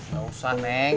gak usah neng